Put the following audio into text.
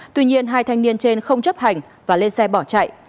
tuy nhiên hai thanh niên trên không chấp hành và lên xe bỏ chạy